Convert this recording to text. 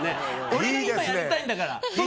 俺だってやりたいんだから！